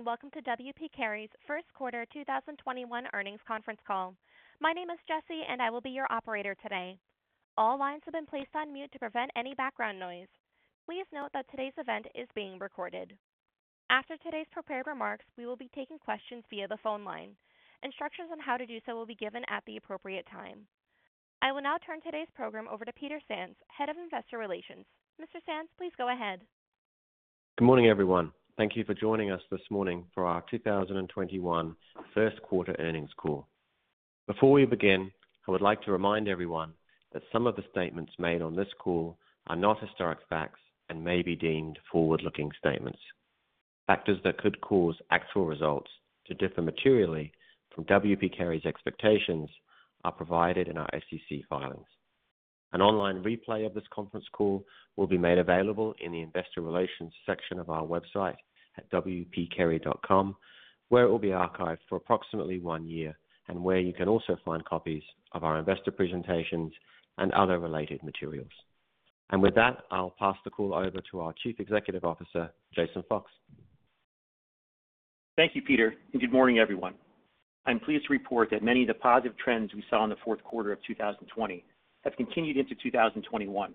Welcome to W. P. Carey's first quarter 2021 earnings conference call. My name is Jesse, and I will be your operator today. All lines have been placed on mute to prevent any background noise. Please note that today's event is being recorded. After today's prepared remarks, we will be taking questions via the phone line. Instructions on how to do so will be given at the appropriate time. I will now turn today's program over to Peter Sands, Head of Investor Relations. Mr. Sands, please go ahead. Good morning, everyone. Thank you for joining us this morning for our 2021 first quarter earnings call. Before we begin, I would like to remind everyone that some of the statements made on this call are not historic facts and may be deemed forward-looking statements. Factors that could cause actual results to differ materially from W. P. Carey's expectations are provided in our SEC filings. An online replay of this conference call will be made available in the investor relations section of our website at wpcarey.com, where it will be archived for approximately one year, and where you can also find copies of our investor presentations and other related materials. With that, I'll pass the call over to our Chief Executive Officer, Jason Fox. Thank you, Peter, and good morning, everyone. I'm pleased to report that many of the positive trends we saw in the fourth quarter of 2020 have continued into 2021.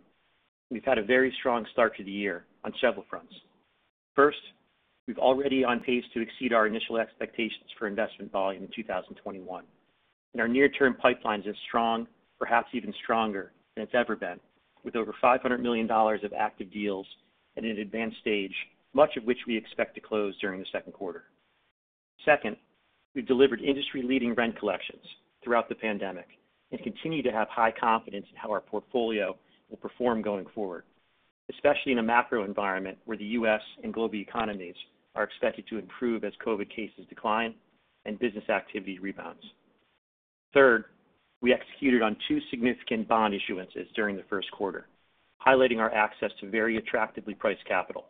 We've had a very strong start to the year on several fronts. First, we're already on pace to exceed our initial expectations for investment volume in 2021, and our near-term pipeline is as strong, perhaps even stronger than it's ever been, with over $500 million of active deals at an advanced stage, much of which we expect to close during the second quarter. Second, we've delivered industry-leading rent collections throughout the pandemic and continue to have high confidence in how our portfolio will perform going forward, especially in a macro environment where the U.S. and global economies are expected to improve as COVID cases decline and business activity rebounds. Third, we executed on two significant bond issuances during the first quarter, highlighting our access to very attractively priced capital,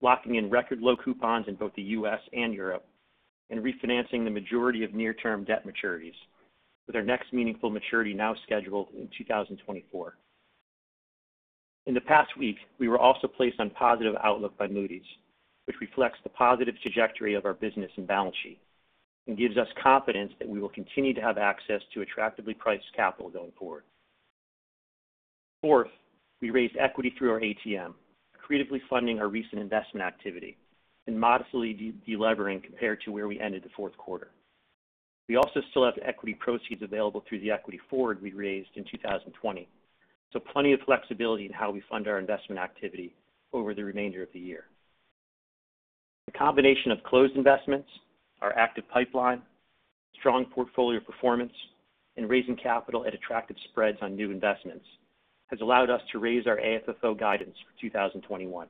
locking in record low coupons in both the U.S. and Europe, and refinancing the majority of near-term debt maturities with our next meaningful maturity now scheduled in 2024. In the past week, we were also placed on positive outlook by Moody's, which reflects the positive trajectory of our business and balance sheet and gives us confidence that we will continue to have access to attractively priced capital going forward. Fourth, we raised equity through our ATM, creatively funding our recent investment activity and modestly de-levering compared to where we ended the fourth quarter. We also still have equity proceeds available through the equity forward we raised in 2020. Plenty of flexibility in how we fund our investment activity over the remainder of the year. The combination of closed investments, our active pipeline, strong portfolio performance, and raising capital at attractive spreads on new investments has allowed us to raise our AFFO guidance for 2021.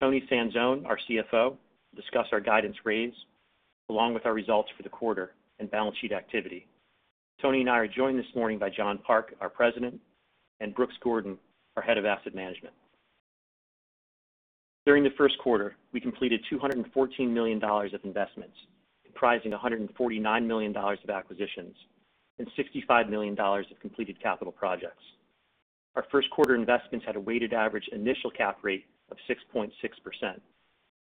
Toni Sanzone, our CFO, will discuss our guidance raise along with our results for the quarter and balance sheet activity. Toni and I are joined this morning by John Park, our President, and Brooks Gordon, our Head of Asset Management. During the first quarter, we completed $214 million of investments, comprising $149 million of acquisitions and $65 million of completed capital projects. Our first quarter investments had a weighted average initial cap rate of 6.6%,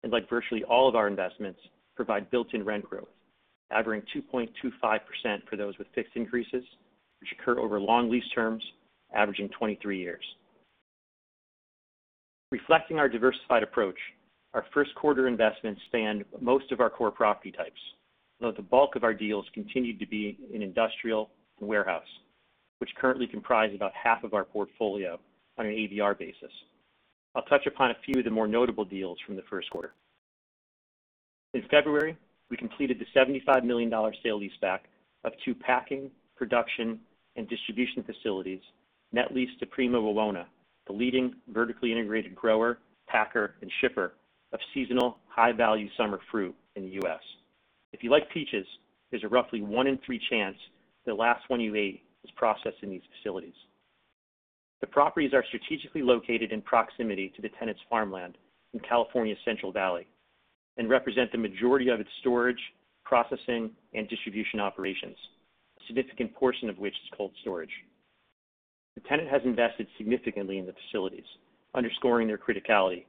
like virtually all of our investments, provide built-in rent growth averaging 2.25% for those with fixed increases, which occur over long lease terms averaging 23 years. Reflecting our diversified approach, our first quarter investments spanned most of our core property types, though the bulk of our deals continued to be in industrial and warehouse, which currently comprise about half of our portfolio on an ABR basis. I'll touch upon a few of the more notable deals from the first quarter. In February, we completed the $75 million sale leaseback of two packing, production, and distribution facilities net leased to Prima Wawona, the leading vertically integrated grower, packer, and shipper of seasonal high-value summer fruit in the U.S. If you like peaches, there's a roughly one in three chance the last one you ate was processed in these facilities. The properties are strategically located in proximity to the tenant's farmland in California's Central Valley and represent the majority of its storage, processing, and distribution operations, a significant portion of which is cold storage. The tenant has invested significantly in the facilities, underscoring their criticality,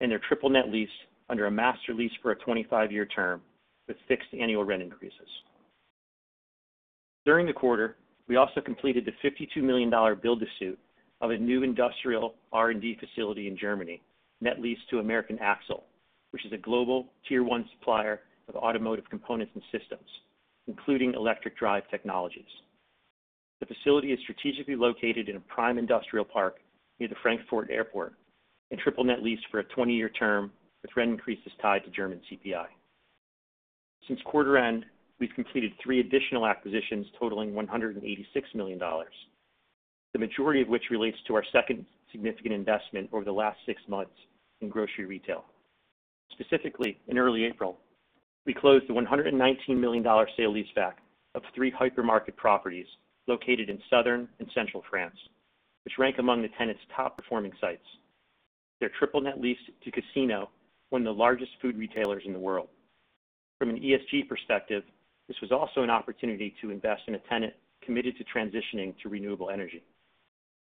and they're triple net leased under a master lease for a 25-year term with fixed annual rent increases. During the quarter, we also completed the $52 million build-to-suit of a new industrial R&D facility in Germany net leased to American Axle, which is a global tier 1 supplier of automotive components and systems, including electric drive technologies. The facility is strategically located in a prime industrial park near the Frankfurt Airport and triple net leased for a 20-year term with rent increases tied to German CPI. Since quarter end, we've completed three additional acquisitions totaling $186 million, the majority of which relates to our second significant investment over the last six months in grocery retail. Specifically, in early April, we closed the $119 million sale leaseback of three hypermarket properties located in Southern and Central France, which rank among the tenant's top performing sites. They're triple net leased to Casino, one of the largest food retailers in the world. From an ESG perspective, this was also an opportunity to invest in a tenant committed to transitioning to renewable energy.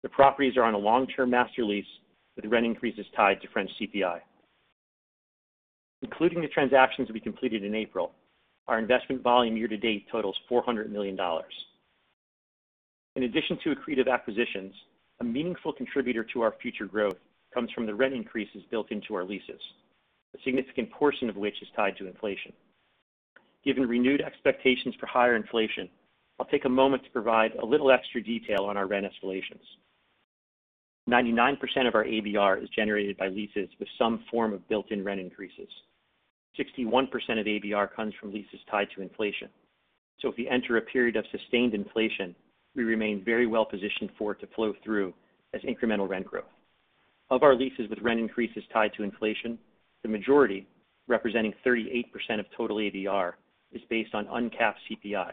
The properties are on a long-term master lease with rent increases tied to French CPI. Including the transactions we completed in April, our investment volume year to date totals $400 million. In addition to accretive acquisitions, a meaningful contributor to our future growth comes from the rent increases built into our leases, a significant portion of which is tied to inflation. Given renewed expectations for higher inflation, I'll take a moment to provide a little extra detail on our rent escalations. 99% of our ABR is generated by leases with some form of built-in rent increases. 61% of ABR comes from leases tied to inflation. If we enter a period of sustained inflation, we remain very well positioned for it to flow through as incremental rent growth. Of our leases with rent increases tied to inflation, the majority, representing 38% of total ABR, is based on uncapped CPI,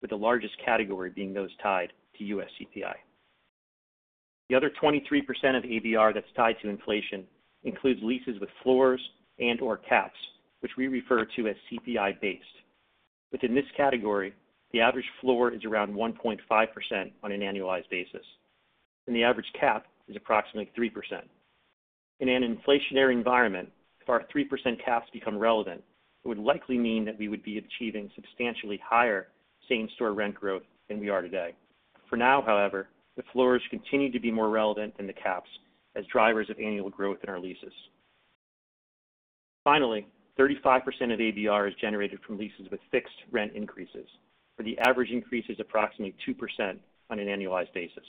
with the largest category being those tied to U.S. CPI. The other 23% of ABR that's tied to inflation includes leases with floors and/or caps, which we refer to as CPI-based. Within this category, the average floor is around 1.5% on an annualized basis, and the average cap is approximately 3%. In an inflationary environment, if our 3% caps become relevant, it would likely mean that we would be achieving substantially higher same-store rent growth than we are today. For now, however, the floors continue to be more relevant than the caps as drivers of annual growth in our leases. Finally, 35% of ABR is generated from leases with fixed rent increases, where the average increase is approximately 2% on an annualized basis.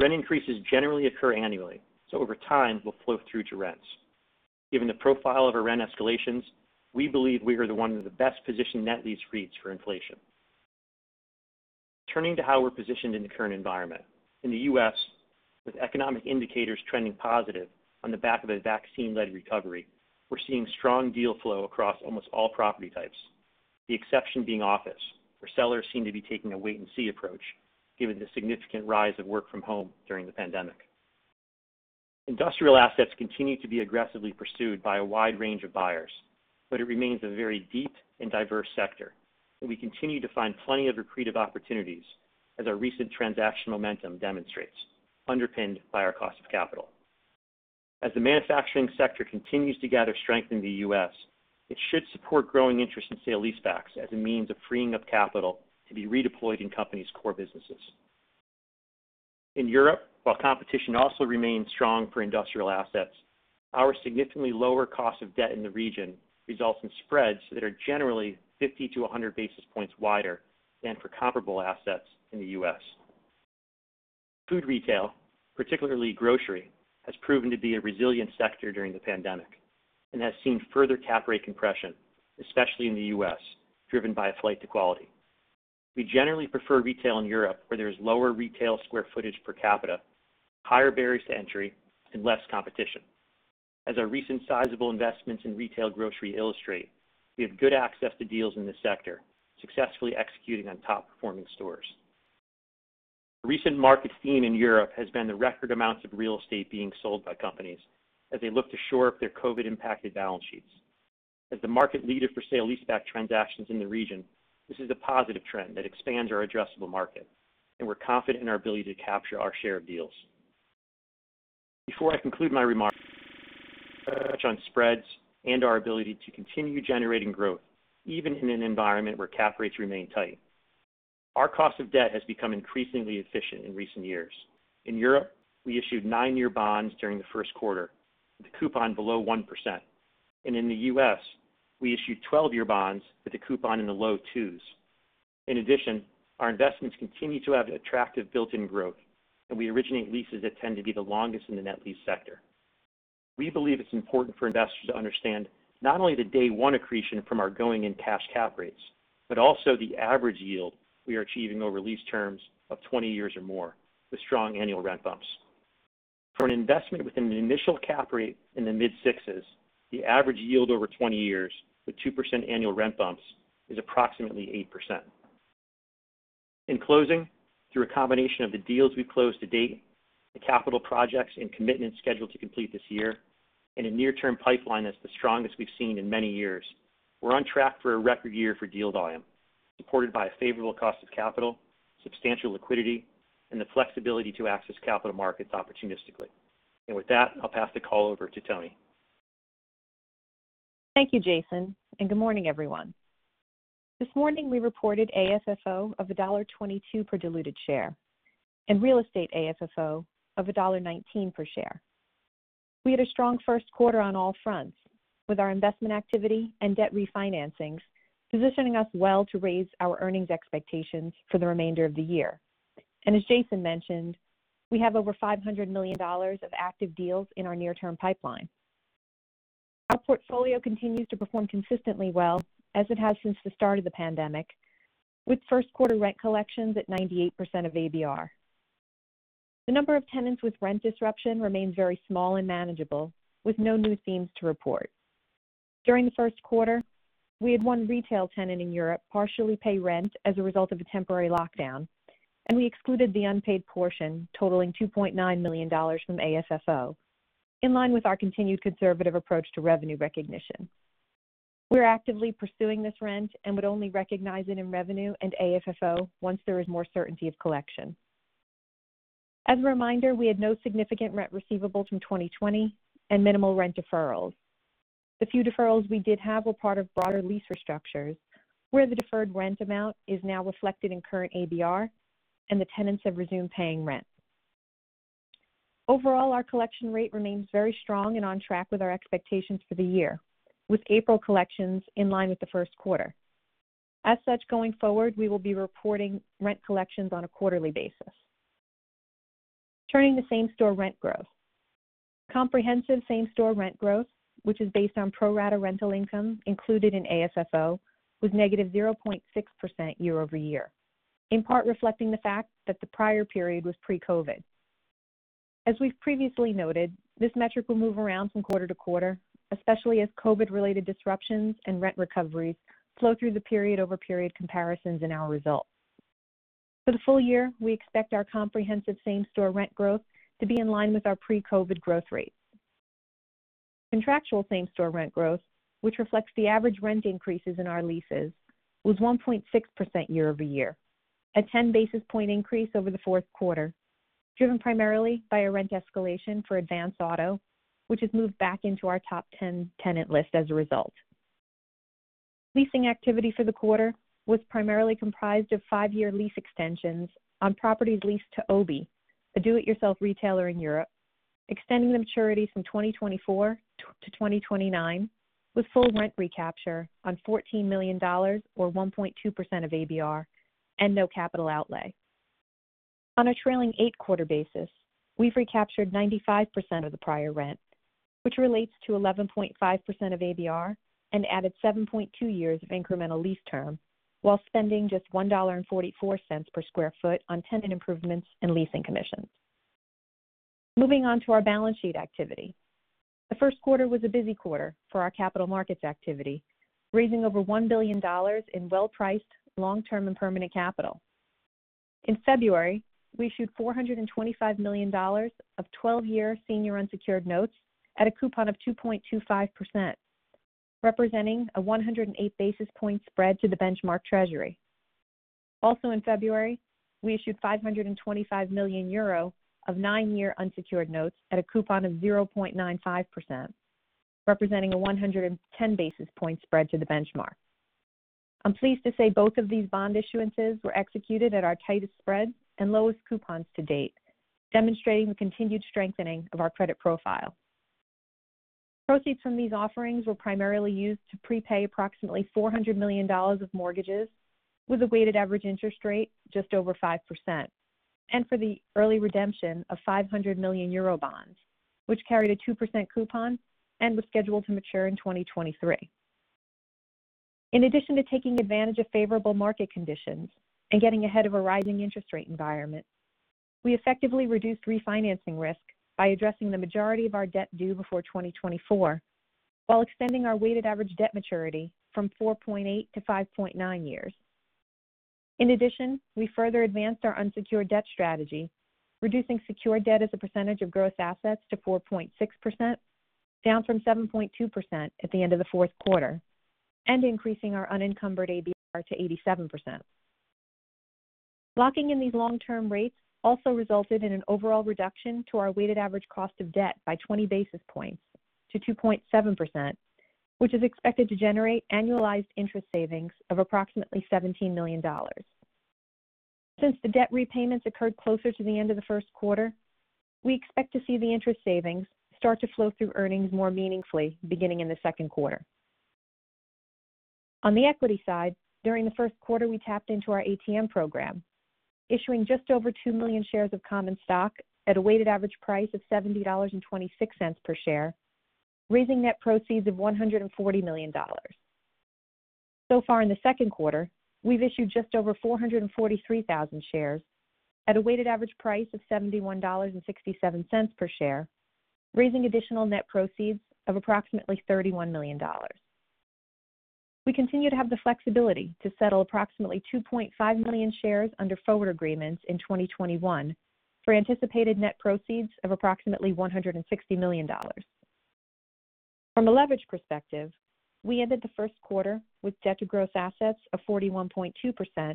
Rent increases generally occur annually, over time will flow through to rents. Given the profile of our rent escalations, we believe we are the one of the best positioned net lease REITs for inflation. Turning to how we're positioned in the current environment. In the U.S., with economic indicators trending positive on the back of a vaccine-led recovery, we're seeing strong deal flow across almost all property types, the exception being office, where sellers seem to be taking a wait and see approach given the significant rise of work from home during the pandemic. Industrial assets continue to be aggressively pursued by a wide range of buyers, but it remains a very deep and diverse sector, and we continue to find plenty of accretive opportunities as our recent transaction momentum demonstrates, underpinned by our cost of capital. As the manufacturing sector continues to gather strength in the U.S., it should support growing interest in sale leasebacks as a means of freeing up capital to be redeployed in companies' core businesses. In Europe, while competition also remains strong for industrial assets, our significantly lower cost of debt in the region results in spreads that are generally 50-100 basis points wider than for comparable assets in the U.S. Food retail, particularly grocery, has proven to be a resilient sector during the pandemic and has seen further cap rate compression, especially in the U.S., driven by a flight to quality. We generally prefer retail in Europe where there is lower retail square footage per capita, higher barriers to entry, and less competition. As our recent sizable investments in retail grocery illustrate, we have good access to deals in this sector, successfully executing on top-performing stores. A recent market theme in Europe has been the record amounts of real estate being sold by companies as they look to shore up their COVID-impacted balance sheets. As the market leader for sale leaseback transactions in the region, this is a positive trend that expands our addressable market, and we're confident in our ability to capture our share of deals. Before I conclude my remarks on spreads and our ability to continue generating growth even in an environment where cap rates remain tight, our cost of debt has become increasingly efficient in recent years. In Europe, we issued nine-year bonds during the first quarter with a coupon below 1%. In the U.S., we issued 12-year bonds with a coupon in the low 2s. In addition, our investments continue to have attractive built-in growth, and we originate leases that tend to be the longest in the net lease sector. We believe it's important for investors to understand not only the day one accretion from our going-in cash cap rates, but also the average yield we are achieving over lease terms of 20 years or more with strong annual rent bumps. For an investment with an initial cap rate in the mid 6s, the average yield over 20 years with 2% annual rent bumps is approximately 8%. In closing, through a combination of the deals we've closed to date, the capital projects and commitments scheduled to complete this year, and a near-term pipeline that's the strongest we've seen in many years, we're on track for a record year for deal volume, supported by a favorable cost of capital, substantial liquidity, and the flexibility to access capital markets opportunistically. With that, I'll pass the call over to Toni. Thank you, Jason, and good morning, everyone. This morning we reported AFFO of $1.22 per diluted share and real estate AFFO of $1.19 per share. We had a strong first quarter on all fronts with our investment activity and debt refinancings positioning us well to raise our earnings expectations for the remainder of the year. As Jason mentioned, we have over $500 million of active deals in our near-term pipeline. Our portfolio continues to perform consistently well as it has since the start of the pandemic, with first quarter rent collections at 98% of ABR. The number of tenants with rent disruption remains very small and manageable, with no new themes to report. During the first quarter, we had one retail tenant in Europe partially pay rent as a result of a temporary lockdown. We excluded the unpaid portion totaling $2.9 million from AFFO, in line with our continued conservative approach to revenue recognition. We're actively pursuing this rent and would only recognize it in revenue and AFFO once there is more certainty of collection. As a reminder, we had no significant rent receivable from 2020 and minimal rent deferrals. The few deferrals we did have were part of broader lease restructures, where the deferred rent amount is now reflected in current ABR, and the tenants have resumed paying rent. Overall, our collection rate remains very strong and on track with our expectations for the year, with April collections in line with the first quarter. As such, going forward, we will be reporting rent collections on a quarterly basis. Turning to same-store rent growth. Comprehensive same-store rent growth, which is based on pro rata rental income included in AFFO, was negative 0.6% year-over-year, in part reflecting the fact that the prior period was pre-COVID. As we've previously noted, this metric will move around from quarter to quarter, especially as COVID-related disruptions and rent recoveries flow through the period-over-period comparisons in our results. For the full year, we expect our comprehensive same-store rent growth to be in line with our pre-COVID growth rates. Contractual same-store rent growth, which reflects the average rent increases in our leases, was 1.6% year-over-year, a 10 basis point increase over the fourth quarter, driven primarily by a rent escalation for Advance Auto, which has moved back into our top 10 tenant list as a result. Leasing activity for the quarter was primarily comprised of five-year lease extensions on properties leased to OBI, a do it yourself retailer in Europe, extending the maturity from 2024 to 2029 with full rent recapture on $14 million, or 1.2% of ABR, and no capital outlay. On a trailing eight quarter basis, we've recaptured 95% of the prior rent, which relates to 11.5% of ABR and added 7.2 years of incremental lease term while spending just $1.44 per sq ft on tenant improvements and leasing commissions. Moving on to our balance sheet activity. The first quarter was a busy quarter for our capital markets activity, raising over $1 billion in well-priced long-term and permanent capital. In February, we issued $425 million of 12-year senior unsecured notes at a coupon of 2.25%, representing a 108 basis point spread to the benchmark treasury. Also in February, we issued 525 million euro of 9-year unsecured notes at a coupon of 0.95%, representing a 110 basis point spread to the benchmark. I'm pleased to say both of these bond issuances were executed at our tightest spreads and lowest coupons to date, demonstrating the continued strengthening of our credit profile. Proceeds from these offerings were primarily used to prepay approximately $400 million of mortgages with a weighted average interest rate just over 5%, and for the early redemption of 500 million euro bonds, which carried a 2% coupon and was scheduled to mature in 2023. In addition to taking advantage of favorable market conditions and getting ahead of a rising interest rate environment, we effectively reduced refinancing risk by addressing the majority of our debt due before 2024 while extending our weighted average debt maturity from 4.8 years-5.9 years. We further advanced our unsecured debt strategy, reducing secure debt as a percentage of gross assets to 4.6%, down from 7.2% at the end of the fourth quarter, and increasing our unencumbered ABR to 87%. Locking in these long-term rates also resulted in an overall reduction to our weighted average cost of debt by 20 basis points to 2.7%, which is expected to generate annualized interest savings of approximately $17 million. Since the debt repayments occurred closer to the end of the first quarter, we expect to see the interest savings start to flow through earnings more meaningfully beginning in the second quarter. On the equity side, during the first quarter, we tapped into our ATM program, issuing just over 2 million shares of common stock at a weighted average price of $70.26 per share, raising net proceeds of $140 million. Far in the second quarter, we've issued just over 443,000 shares at a weighted average price of $71.67 per share, raising additional net proceeds of approximately $31 million. We continue to have the flexibility to settle approximately 2.5 million shares under forward agreements in 2021 for anticipated net proceeds of approximately $160 million. From a leverage perspective, we ended the first quarter with debt to gross assets of 41.2%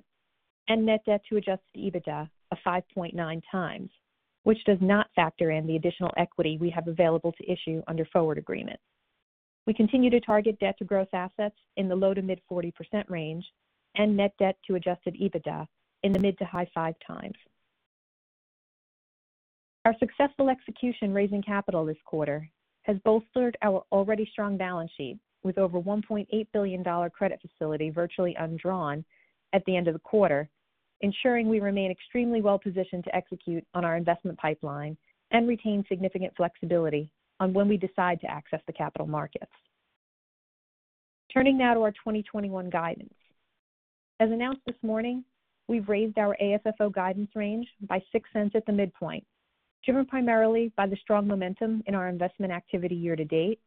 and net debt to adjusted EBITDA of 5.9x, which does not factor in the additional equity we have available to issue under forward agreements. We continue to target debt to gross assets in the low to mid 40% range and net debt to adjusted EBITDA in the mid to high 5x. Our successful execution raising capital this quarter has bolstered our already strong balance sheet with over $1.8 billion credit facility virtually undrawn at the end of the quarter, ensuring we remain extremely well positioned to execute on our investment pipeline and retain significant flexibility on when we decide to access the capital markets. Turning now to our 2021 guidance. As announced this morning, we've raised our AFFO guidance range by $0.06 at the midpoint, driven primarily by the strong momentum in our investment activity year to date,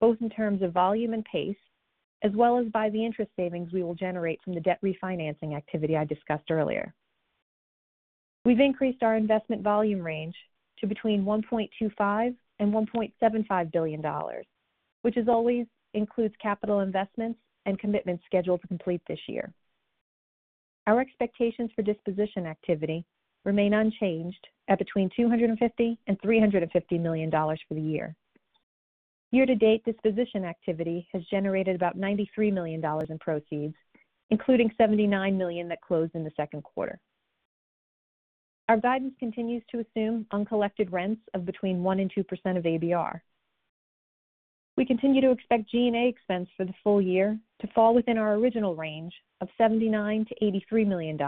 both in terms of volume and pace, as well as by the interest savings we will generate from the debt refinancing activity I discussed earlier. We've increased our investment volume range to between $1.25 billion and $1.75 billion, which as always, includes capital investments and commitments scheduled to complete this year. Our expectations for disposition activity remain unchanged at between $250 million and $350 million for the year. Year to date, disposition activity has generated about $93 million in proceeds, including $79 million that closed in the second quarter. Our guidance continues to assume uncollected rents of between 1% and 2% of ABR. We continue to expect G&A expense for the full year to fall within our original range of $79 million-$83 million.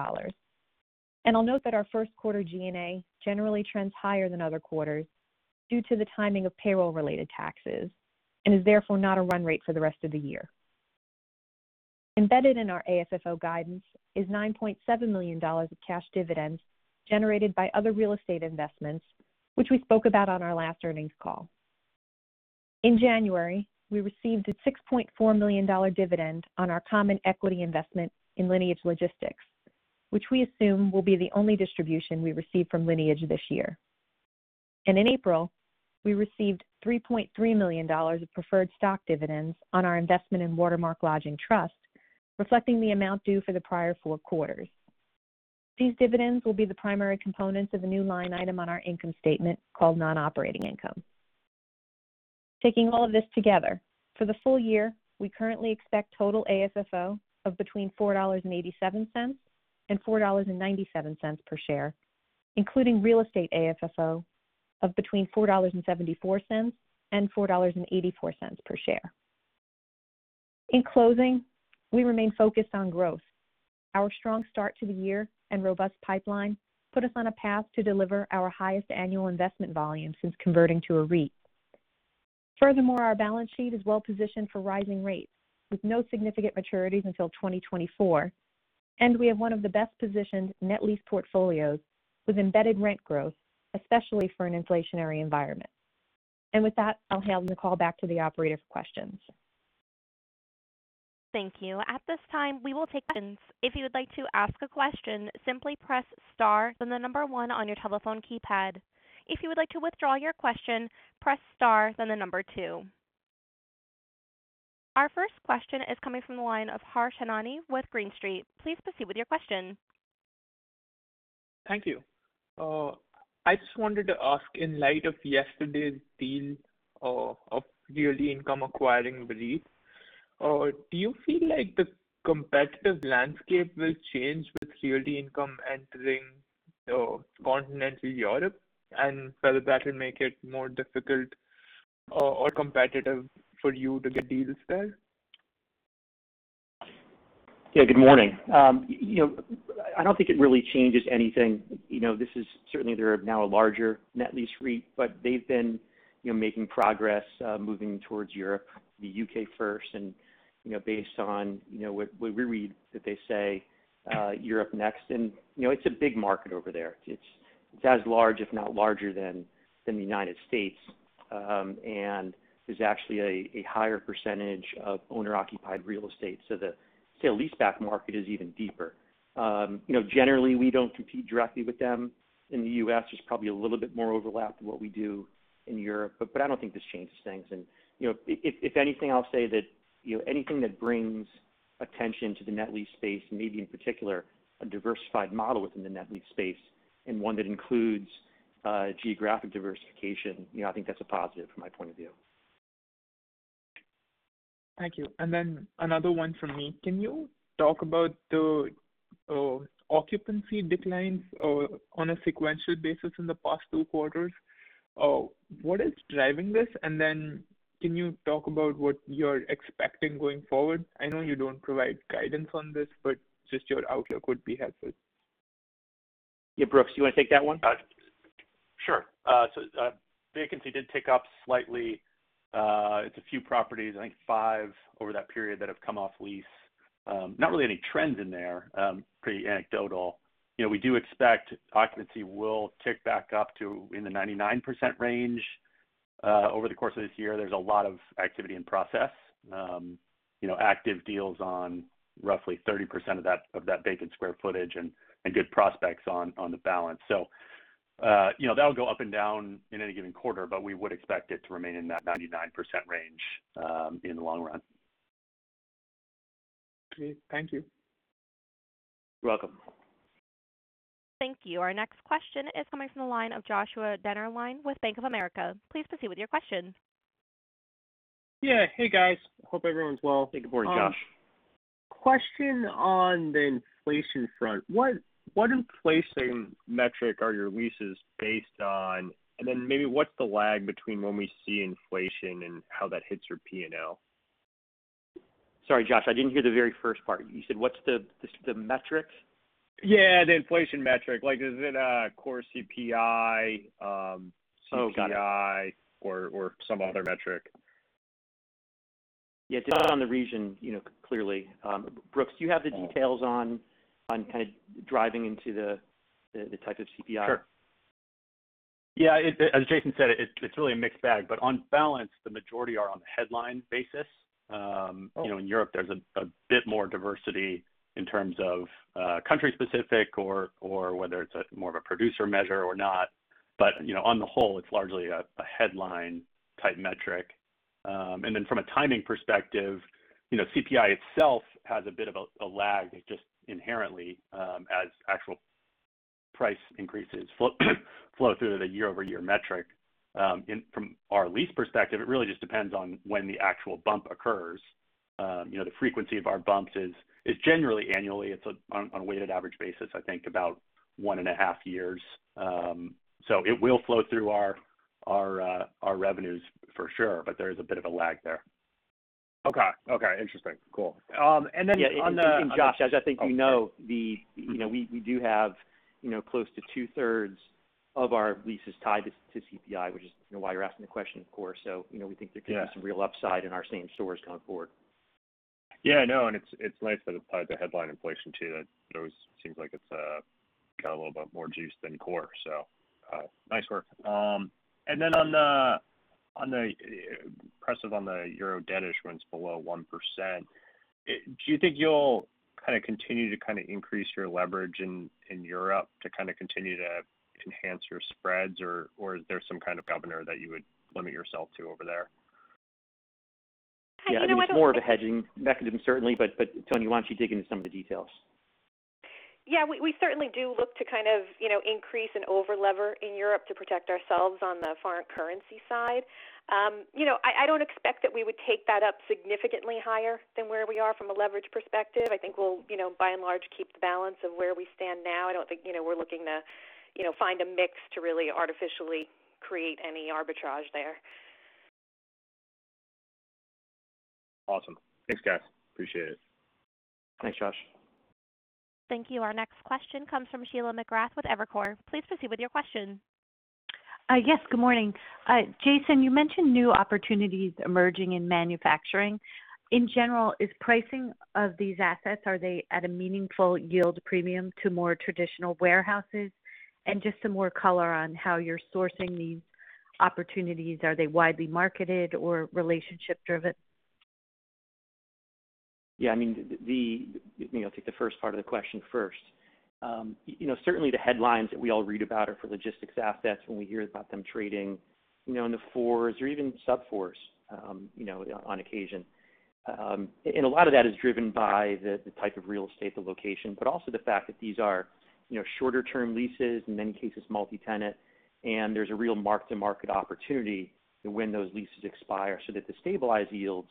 I'll note that our first quarter G&A generally trends higher than other quarters due to the timing of payroll-related taxes, and is therefore not a run rate for the rest of the year. Embedded in our AFFO guidance is $9.7 million of cash dividends generated by other real estate investments, which we spoke about on our last earnings call. In January, we received a $6.4 million dividend on our common equity investment in Lineage Logistics, which we assume will be the only distribution we receive from Lineage this year. In April, we received $3.3 million of preferred stock dividends on our investment in Watermark Lodging Trust, reflecting the amount due for the prior four quarters. These dividends will be the primary components of a new line item on our income statement called non-operating income. Taking all of this together, for the full year, we currently expect total AFFO of between $4.87 and $4.97 per share, including real estate AFFO of between $4.74 and $4.84 per share. In closing, we remain focused on growth. Our strong start to the year and robust pipeline put us on a path to deliver our highest annual investment volume since converting to a REIT. Furthermore, our balance sheet is well positioned for rising rates, with no significant maturities until 2024, and we have one of the best-positioned net lease portfolios with embedded rent growth, especially for an inflationary environment. With that, I'll hand the call back to the operator for questions. Thank you. At this time, we will take questions. If you would like to ask a question, simply press star, then the number one on your telephone keypad. If you would like to withdraw your question, press star, then the number two. Our first question is coming from the line of Harshil Nanalal with Green Street. Please proceed with your question. Thank you. I just wanted to ask, in light of yesterday's deal of Realty Income acquiring VEREIT, do you feel like the competitive landscape will change with Realty Income entering continental Europe, and further that will make it more difficult or competitive for you to get deals there? Yeah, good morning. I don't think it really changes anything. Certainly they are now a larger net lease REIT, but they've been making progress moving towards Europe, the U.K. first, based on what we read that they say, Europe next. It's a big market over there. It's as large if not larger than the United States. There's actually a higher percentage of owner-occupied real estate. The sale leaseback market is even deeper. Generally, we don't compete directly with them in the U.S. There's probably a little bit more overlap than what we do in Europe. I don't think this changes things. If anything, I'll say that anything that brings attention to the net lease space, maybe in particular, a diversified model within the net lease space and one that includes geographic diversification, I think that's a positive from my point of view. Thank you. Another one from me. Can you talk about the occupancy declines on a sequential basis in the past two quarters? What is driving this? Can you talk about what you're expecting going forward? I know you don't provide guidance on this, but just your outlook would be helpful. Yeah, Brooks, you want to take that one? Sure. Vacancy did tick up slightly. It's a few properties, I think five over that period that have come off lease. Not really any trends in there. Pretty anecdotal. We do expect occupancy will tick back up to in the 99% range, over the course of this year. There's a lot of activity in process. Active deals on roughly 30% of that vacant square footage and good prospects on the balance. That'll go up and down in any given quarter, but we would expect it to remain in that 99% range in the long run. Great. Thank you. You're welcome. Thank you. Our next question is coming from the line of Joshua Dennerlein with Bank of America. Please proceed with your question. Yeah. Hey, guys. Hope everyone's well. Hey, good morning, Josh. Question on the inflation front. What inflation metric are your leases based on? Maybe what's the lag between when we see inflation and how that hits your P&L? Sorry, Josh, I didn't hear the very first part. You said what's the metrics? The inflation metric. Like is it a core CPI- Oh, got it. CPI or some other metric? Yeah, depends on the region clearly. Brooks, do you have the details on kind of driving into the type of CPI? Sure. As Jason said, it's really a mixed bag. On balance, the majority are on the headline basis. In Europe, there's a bit more diversity in terms of country specific or whether it's more of a producer measure or not. On the whole, it's largely a headline type metric. From a timing perspective, CPI itself has a bit of a lag just inherently, as actual price increases flow through the year-over-year metric. From our lease perspective, it really just depends on when the actual bump occurs. The frequency of our bumps is generally annually. It's on a weighted average basis, I think about one and a half years. It will flow through our revenues for sure, but there is a bit of a lag there. Okay. Interesting. Cool. Yeah. Josh, as I think you know, we do have close to two-thirds of our leases tied to CPI, which is why you're asking the question, of course. We think there could be some real upside in our same stores going forward. Yeah, I know, it's nice that it applied to headline inflation too. That always seems like it's got a little bit more juice than core. Nice work. Impressive on the euro debt issuance below 1%. Do you think you'll continue to increase your leverage in Europe to continue to enhance your spreads, or is there some kind of governor that you would limit yourself to over there? Yeah. It's more of a hedging mechanism, certainly. Toni, why don't you dig into some of the details? Yeah. We certainly do look to increase and over-lever in Europe to protect ourselves on the foreign currency side. I don't expect that we would take that up significantly higher than where we are from a leverage perspective. I think we'll, by and large, keep the balance of where we stand now. I don't think we're looking to find a mix to really artificially create any arbitrage there. Awesome. Thanks, guys. Appreciate it. Thanks, Josh. Thank you. Our next question comes from Sheila McGrath with Evercore. Please proceed with your question. Yes, good morning. Jason, you mentioned new opportunities emerging in manufacturing. In general, is pricing of these assets, are they at a meaningful yield premium to more traditional warehouses? Just some more color on how you're sourcing these opportunities. Are they widely marketed or relationship driven? Yeah. I'll take the first part of the question first. Certainly, the headlines that we all read about are for logistics assets when we hear about them trading in the fours or even sub-fours on occasion. A lot of that is driven by the type of real estate, the location, but also the fact that these are shorter-term leases, in many cases multi-tenant, and there's a real mark-to-market opportunity when those leases expire, so that the stabilized yields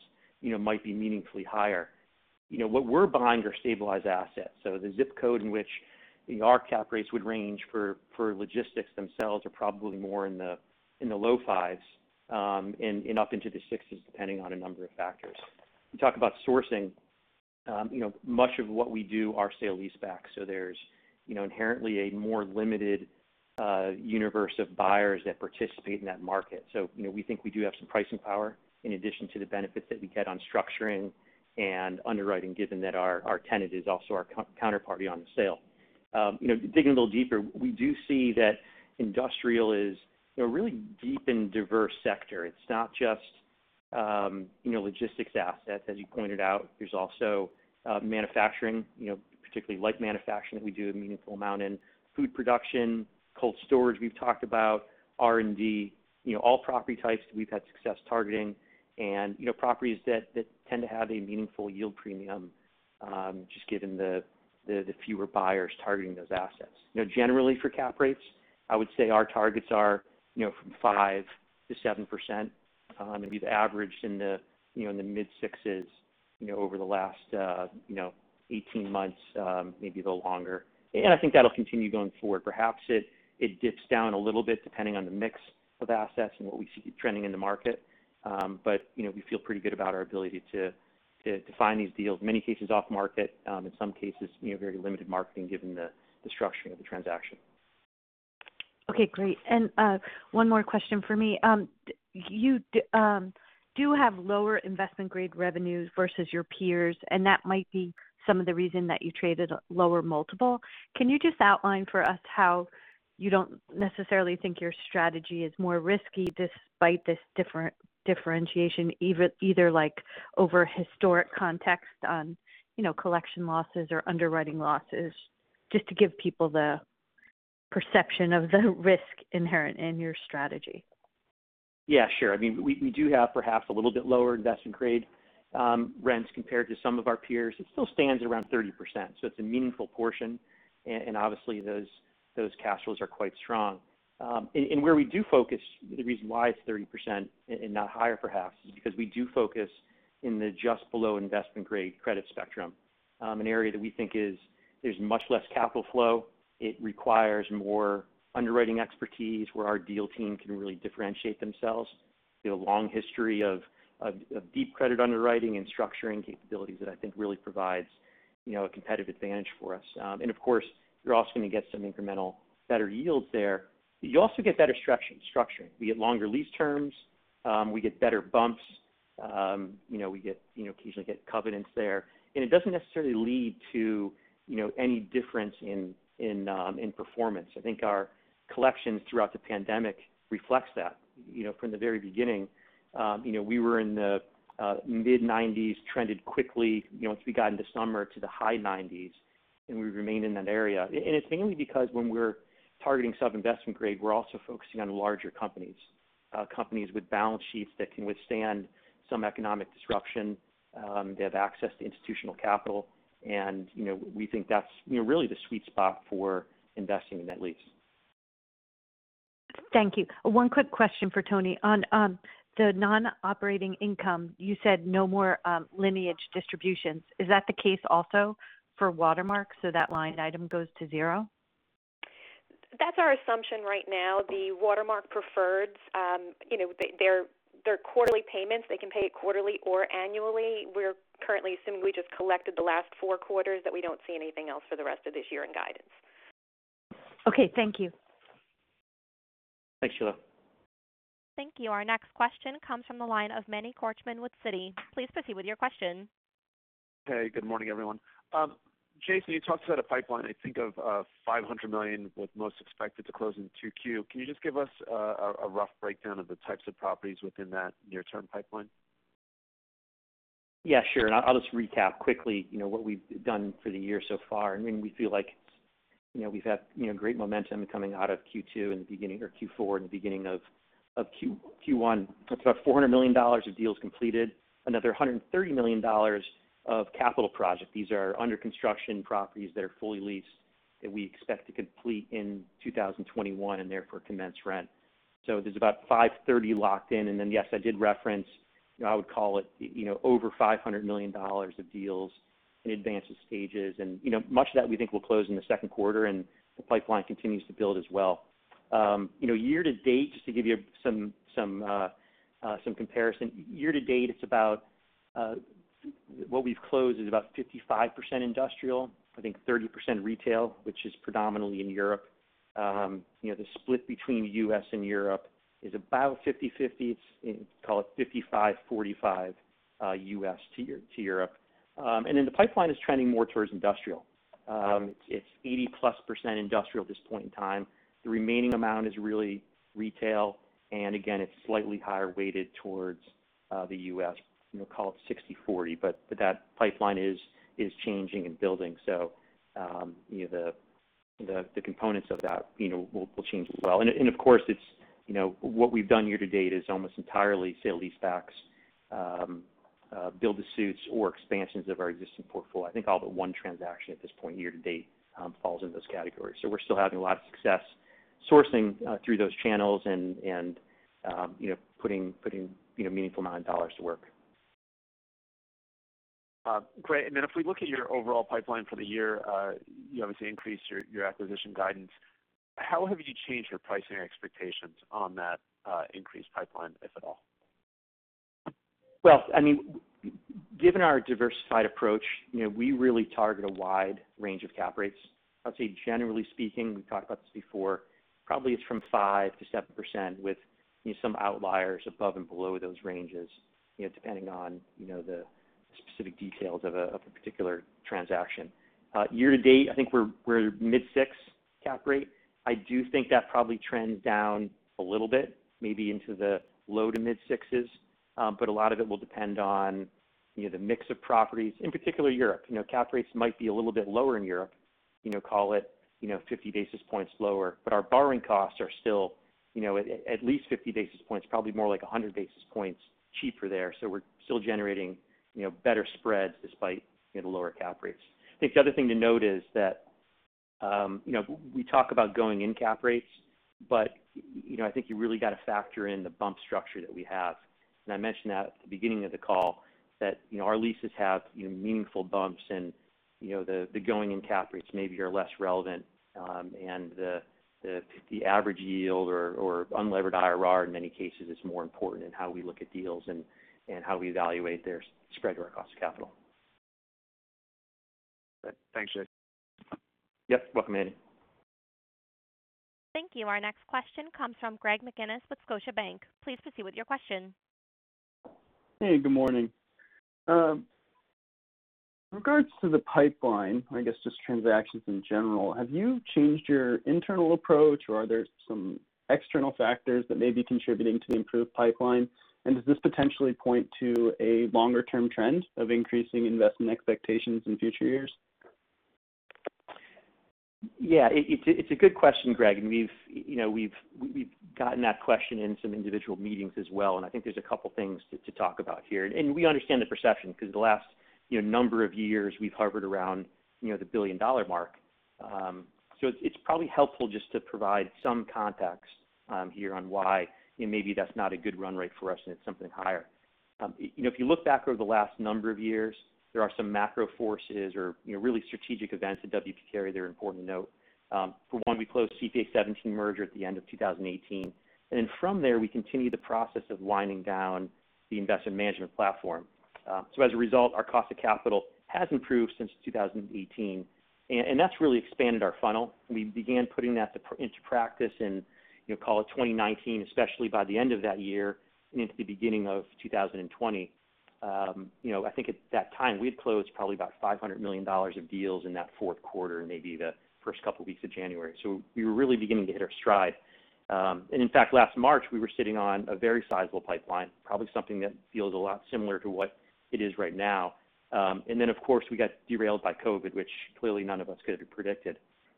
might be meaningfully higher. What we're behind are stabilized assets. The ZIP code in which our cap rates would range for logistics themselves are probably more in the low fives and up into the sixes, depending on a number of factors. You talk about sourcing. Much of what we do are sale leaseback. There's inherently a more limited universe of buyers that participate in that market. We think we do have some pricing power in addition to the benefits that we get on structuring and underwriting, given that our tenant is also our counterparty on the sale. Digging a little deeper, we do see that industrial is a really deep and diverse sector. It's not just logistics assets, as you pointed out. There's also manufacturing, particularly light manufacturing that we do a meaningful amount in. Food production, cold storage we've talked about, R&D. All property types we've had success targeting and properties that tend to have a meaningful yield premium, just given the fewer buyers targeting those assets. Generally, for cap rates, I would say our targets are from 5% to 7%, and we've averaged in the mid-sixes over the last 18 months, maybe a little longer. I think that'll continue going forward. Perhaps it dips down a little bit depending on the mix of assets and what we see trending in the market. We feel pretty good about our ability to find these deals, in many cases off market. In some cases, very limited marketing, given the structuring of the transaction. Okay, great. One more question for me. You do have lower investment-grade revenues versus your peers, and that might be some of the reason that you traded a lower multiple. Can you just outline for us how you don't necessarily think your strategy is more risky despite this differentiation, either over historic context on collection losses or underwriting losses, just to give people the perception of the risk inherent in your strategy? Yeah, sure. We do have perhaps a little bit lower investment-grade rents compared to some of our peers. It still stands around 30%, so it is a meaningful portion. Obviously those cash flows are quite strong. Where we do focus, the reason why it is 30% and not higher perhaps, is because we do focus in the just below investment-grade credit spectrum. An area that we think there is much less capital flow. It requires more underwriting expertise where our deal team can really differentiate themselves. We have a long history of deep credit underwriting and structuring capabilities that I think really provides a competitive advantage for us. Of course, you are also going to get some incremental better yields there. You also get better structuring. We get longer lease terms. We get better bumps. We occasionally get covenants there. It does not necessarily lead to any difference in performance. I think our collections throughout the pandemic reflects that. From the very beginning we were in the mid-90s, trended quickly, once we got into summer, to the high 90s, and we remained in that area. It's mainly because when we're targeting sub-investment grade, we're also focusing on larger companies. Companies with balance sheets that can withstand some economic disruption, that have access to institutional capital, and we think that's really the sweet spot for investing in net lease. Thank you. One quick question for Toni. On the non-operating income, you said no more Lineage distributions. Is that the case also for Watermark, so that line item goes to zero? That's our assumption right now. The Watermark preferreds, their quarterly payments, they can pay it quarterly or annually. We're currently assuming we just collected the last four quarters, that we don't see anything else for the rest of this year in guidance. Okay, thank you. Thanks, Sheila. Thank you. Our next question comes from the line of Manny Korchman with Citi. Please proceed with your question. Hey, good morning, everyone. Jason, you talked about a pipeline, I think of $500 million with most expected to close in 2Q. Can you just give us a rough breakdown of the types of properties within that near-term pipeline? Yeah, sure. I'll just recap quickly what we've done for the year so far. We feel like we've had great momentum coming out of Q2 in the beginning of Q4, and the beginning of Q1. That's about $400 million of deals completed, another $130 million of capital project. These are under-construction properties that are fully leased that we expect to complete in 2021, and therefore commence rent. There's about 530 locked in, yes, I did reference, I would call it, over $500 million of deals in advanced stages. Much of that we think will close in the second quarter and the pipeline continues to build as well. Year to date, just to give you some comparison. Year to date, what we've closed is about 55% industrial, I think 30% retail, which is predominantly in Europe. The split between the U.S. Europe is about 50/50. Call it 55/45 U.S. to Europe. The pipeline is trending more towards industrial. It's 80-plus% industrial at this point in time. The remaining amount is really retail, and again, it's slightly higher weighted towards the U.S., call it 60/40. That pipeline is changing and building. The components of that will change as well. What we've done year to date is almost entirely sale leasebacks, build-to-suits, or expansions of our existing portfolio. I think all but one transaction at this point, year to date, falls in those categories. We're still having a lot of success sourcing through those channels and putting meaningful amount of dollars to work. Great. If we look at your overall pipeline for the year, you obviously increased your acquisition guidance. How have you changed your pricing expectations on that increased pipeline, if at all? Well, given our diversified approach, we really target a wide range of cap rates. I'd say generally speaking, we've talked about this before, probably it's from 5%-7% with some outliers above and below those ranges, depending on the specific details of a particular transaction. Year to date, I think we're mid-6 cap rate. I do think that probably trends down a little bit, maybe into the low to mid-6s. A lot of it will depend on the mix of properties, in particular Europe. Cap rates might be a little bit lower in Europe, call it 50 basis points lower. Our borrowing costs are still at least 50 basis points, probably more like 100 basis points cheaper there. We're still generating better spreads despite the lower cap rates. I think the other thing to note is that we talk about going-in cap rates, I think you really got to factor in the bump structure that we have. I mentioned that at the beginning of the call that our leases have meaningful bumps and the going-in cap rates maybe are less relevant. The average yield or unlevered IRR in many cases is more important in how we look at deals and how we evaluate their spread to our cost of capital. Thanks, Jason. Yep. Welcome, Manny. Thank you. Our next question comes from Greg McGinniss with Scotiabank. Please proceed with your question. Hey, good morning. In regards to the pipeline, I guess just transactions in general, have you changed your internal approach or are there some external factors that may be contributing to the improved pipeline? Does this potentially point to a longer-term trend of increasing investment expectations in future years? It's a good question, Greg. We've gotten that question in some individual meetings as well. I think there's a couple things to talk about here. We understand the perception because the last number of years we've hovered around the $1 billion mark. It's probably helpful just to provide some context here on why maybe that's not a good run rate for us and it's something higher. If you look back over the last number of years, there are some macro forces or really strategic events at W. P. Carey that are important to note. For one, we closed CPA:17 merger at the end of 2018. From there, we continued the process of winding down the investment management platform. As a result, our cost of capital has improved since 2018. That's really expanded our funnel. We began putting that into practice in, call it 2019, especially by the end of that year and into the beginning of 2020. I think at that time, we had closed probably about $500 million of deals in that fourth quarter, and maybe the first couple of weeks of January. We were really beginning to hit our stride. In fact, last March, we were sitting on a very sizable pipeline, probably something that feels a lot similar to what it is right now. Of course, we got derailed by COVID, which clearly none of us could have predicted.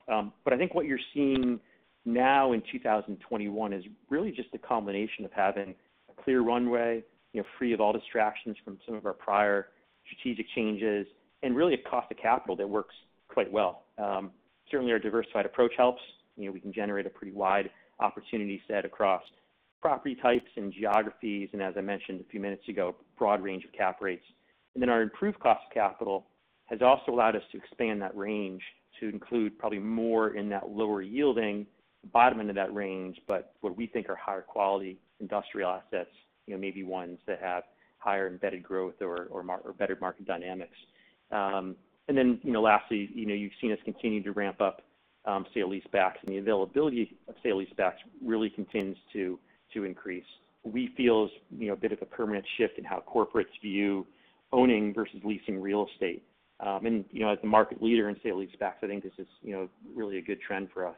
I think what you're seeing now in 2021 is really just a combination of having a clear runway, free of all distractions from some of our prior strategic changes, and really a cost of capital that works quite well. Certainly, our diversified approach helps. We can generate a pretty wide opportunity set across property types and geographies, and as I mentioned a few minutes ago, a broad range of cap rates. Our improved cost of capital has also allowed us to expand that range to include probably more in that lower yielding bottom end of that range, but what we think are higher quality industrial assets, maybe ones that have higher embedded growth or better market dynamics. Lastly, you've seen us continue to ramp up sale leasebacks, and the availability of sale leasebacks really continues to increase, we feel, is a bit of a permanent shift in how corporates view owning versus leasing real estate. As a market leader in sale leasebacks, I think this is really a good trend for us.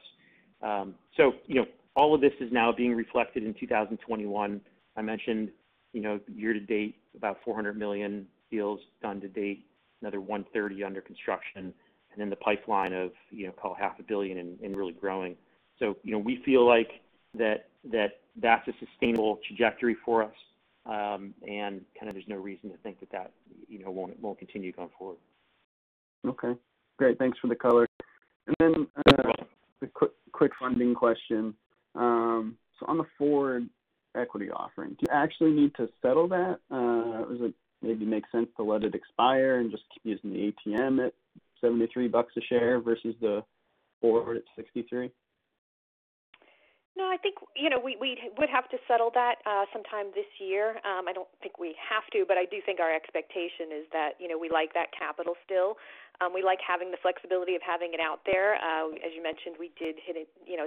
All of this is now being reflected in 2021. I mentioned year-to-date, about $400 million deals done to date, another 130 under construction, and then the pipeline of call it half a billion and really growing. We feel like that's a sustainable trajectory for us, and there's no reason to think that won't continue going forward. Okay, great. Thanks for the color. A quick funding question. On the forward equity offering, do you actually need to settle that? Does it maybe make sense to let it expire and just keep using the ATM at $73 a share versus the forward at $63? No, I think we would have to settle that sometime this year. I don't think we have to, but I do think our expectation is that we like that capital still. We like having the flexibility of having it out there. As you mentioned, we did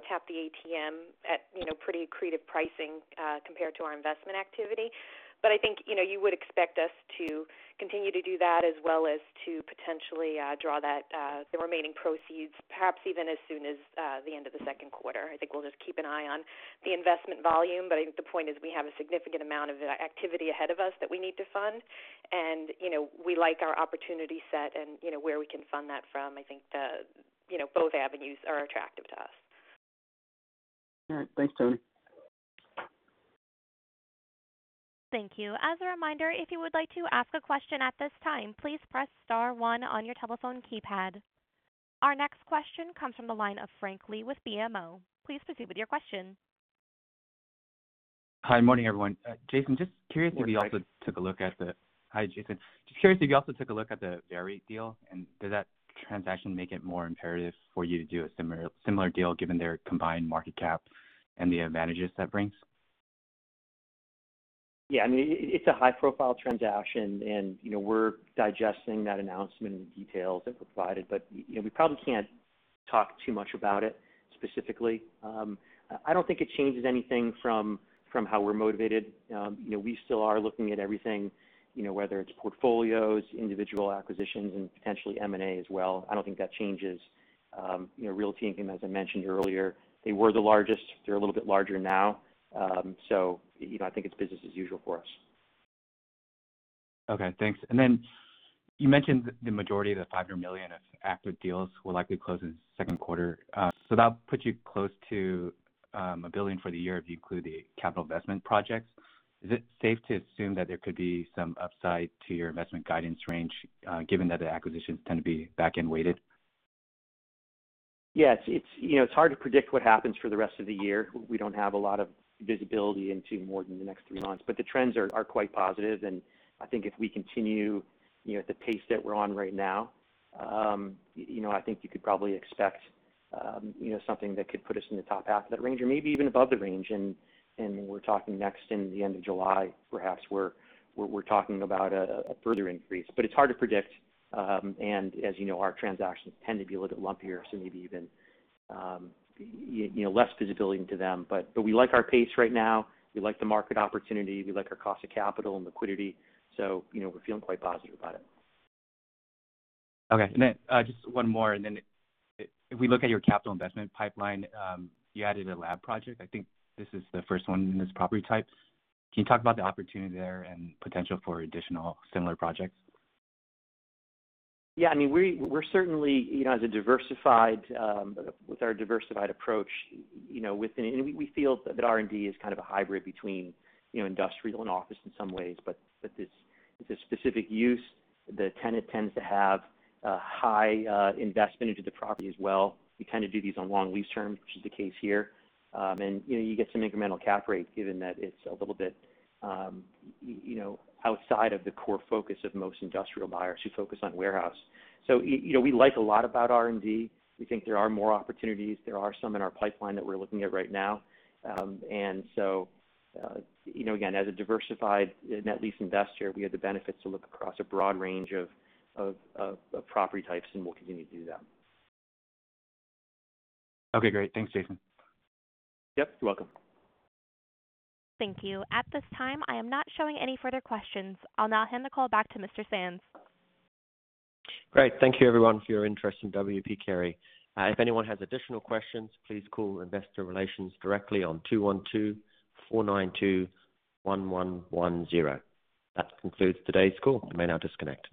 tap the ATM at pretty accretive pricing compared to our investment activity. I think you would expect us to continue to do that as well as to potentially draw the remaining proceeds, perhaps even as soon as the end of the second quarter. I think we'll just keep an eye on the investment volume. I think the point is we have a significant amount of activity ahead of us that we need to fund, and we like our opportunity set and where we can fund that from. I think both avenues are attractive to us. All right. Thanks, Toni. Thank you. As a reminder, if you would like to ask a question at this time, please press star one on your telephone keypad. Our next question comes from the line of Frank Li with BMO. Please proceed with your question. Hi, morning, everyone. Jason, just curious if you also took a look at. Morning, Frank. Hi, Jason. Just curious if you also took a look at the VEREIT deal, and does that transaction make it more imperative for you to do a similar deal given their combined market cap and the advantages that brings? Yeah, it's a high-profile transaction, we're digesting that announcement and the details that were provided. We probably can't talk too much about it specifically. I don't think it changes anything from how we're motivated. We still are looking at everything, whether it's portfolios, individual acquisitions, and potentially M&A as well. I don't think that changes. Realty Income, as I mentioned earlier, they were the largest. They're a little bit larger now. I think it's business as usual for us. Okay, thanks. Then you mentioned the majority of the $500 million of active deals will likely close in the second quarter. That'll put you close to $1 billion for the year if you include the capital investment projects. Is it safe to assume that there could be some upside to your investment guidance range, given that the acquisitions tend to be back-end weighted? Yes. It's hard to predict what happens for the rest of the year. We don't have a lot of visibility into more than the next three months, but the trends are quite positive, and I think if we continue at the pace that we're on right now, I think you could probably expect something that could put us in the top half of that range or maybe even above the range. We're talking next, in the end of July, perhaps, we're talking about a further increase. It's hard to predict. As you know, our transactions tend to be a little bit lumpier, so maybe even less visibility into them. We like our pace right now. We like the market opportunity. We like our cost of capital and liquidity. We're feeling quite positive about it. Okay. Just one more, and then if we look at your capital investment pipeline, you added a lab project. I think this is the first one in this property type. Can you talk about the opportunity there and potential for additional similar projects? Yeah, with our diversified approach, we feel that R&D is kind of a hybrid between industrial and office in some ways. It's a specific use. The tenant tends to have a high investment into the property as well. We kind of do these on long lease terms, which is the case here. You get some incremental cap rate given that it's a little bit outside of the core focus of most industrial buyers who focus on warehouse. We like a lot about R&D. We think there are more opportunities. There are some in our pipeline that we're looking at right now. Again, as a diversified net lease investor, we have the benefits to look across a broad range of property types, and we'll continue to do that. Okay, great. Thanks, Jason. Yep. You're welcome. Thank you. At this time, I am not showing any further questions. I'll now hand the call back to Mr. Sands. Great. Thank you, everyone, for your interest in W. P. Carey. If anyone has additional questions, please call investor relations directly on 212-492-1110. That concludes today's call. You may now disconnect.